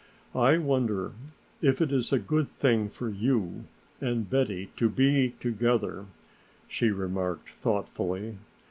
"I wonder if it is a good thing for you and Betty to be together," she remarked thoughtfully.